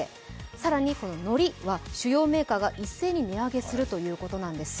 更に海苔は主要メーカーが一斉に値上げするということです。